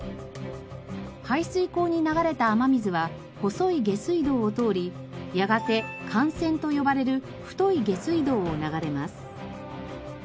排水口に流れた雨水は細い下水道を通りやがて幹線と呼ばれる太い下水道を流れます。